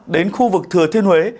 đến khu vực thừa thiên huế